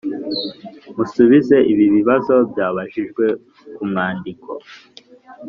Musubize ibi bibazo byabajijwe ku mwandiko